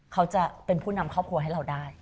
เขาจะเป็นผู้นำครอบครัวให้เราได้